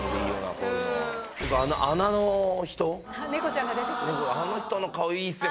こういうのは穴の人猫ちゃんが出てくるあの人の顔いいっすよ